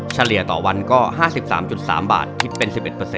เฉลี่ยต่อวันก็๕๓๓บาทคิดเป็น๑๑